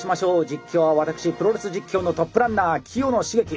実況は私プロレス実況のトップランナー清野茂樹。